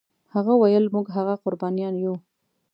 هغه ویل موږ هغه قربانیان یو.